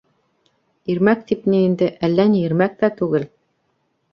Ирмәк тип ни инде, әллә ни ирмәк тә түгел.